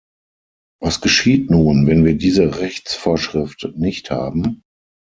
Was geschieht nun, wenn wir diese Rechtsvorschrift nicht haben?